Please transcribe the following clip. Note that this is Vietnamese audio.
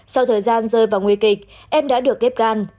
sau thời gian rơi vào nguy kịch em đã được ghép gan